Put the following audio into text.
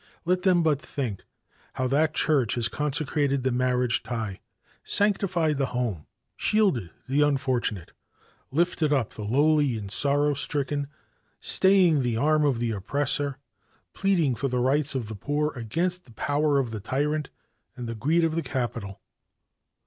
Let them but think how that Church has consecrated the marriage tie, sanctified the home, shielded the unfortunate, lifted up the lowly and sorrow stricken, staying the arm of the oppressor, pleading for the rights of the poor against the power of the tyrant and the greed of capital.